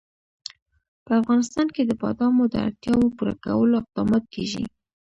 په افغانستان کې د بادامو د اړتیاوو پوره کولو اقدامات کېږي.